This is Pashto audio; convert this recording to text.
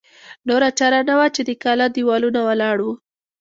نوره چاره نه وه چې د کاله دېوالونه ولاړ وو.